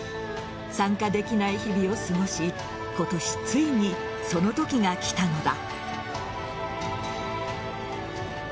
参加できない日々を過ごし今年、ついにその時が来たのだ。